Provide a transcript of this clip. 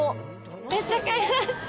めっちゃ買いました。